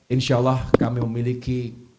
insyaallah kami memiliki